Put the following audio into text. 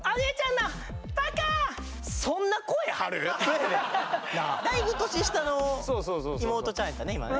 だいぶ年下の妹ちゃんやったね今ね。